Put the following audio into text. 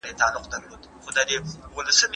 هر انسان يو ځانګړی استعداد لري.